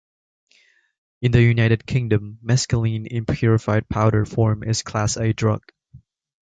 In the United Kingdom, mescaline in purified powder form is a Class A drug.